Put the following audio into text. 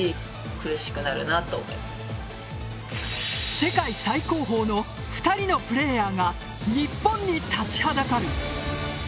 世界最高峰の２人のプレーヤーが日本に立ちはだかる。